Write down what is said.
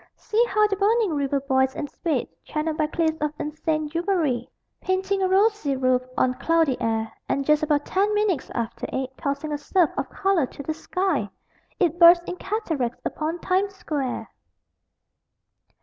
See how the burning river boils in spate, Channeled by cliffs of insane jewelry, Painting a rosy roof on cloudy air And just about ten minutes after eight, Tossing a surf of color to the sky It bursts in cataracts upon Times Square!